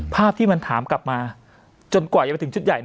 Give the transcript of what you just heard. ภาพที่มันถามกลับมาจนกว่าจะไปถึงชุดใหญ่